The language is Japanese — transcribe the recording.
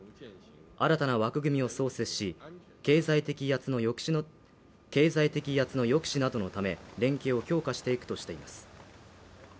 新たな枠組みを創設し、経済的威圧の抑止などのため連携を強化していくとしています。